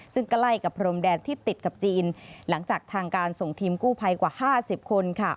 ซึ่งใกล้กับพรมแดนที่ติดกับจีนหลังจากทางการส่งทีมกู้ภัยกว่า๕๐คน